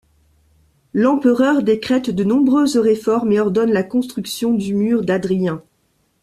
L'empereur décrète de nombreuses réformes et ordonne la construction du mur d'Hadrien.